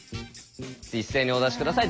一斉にお出し下さい。